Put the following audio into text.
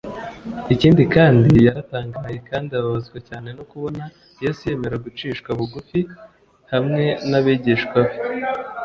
ikindi kandi, yaratangaye kandi ababazwa cyane no kubona yesu yemera gucishwa bugufi hamwe n’abigishwa be,